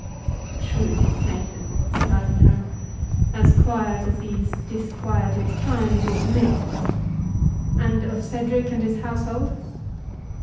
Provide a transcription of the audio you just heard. "True, maiden," said Ivanhoe, "as quiet as these disquieted times will permit—And of Cedric and his household?"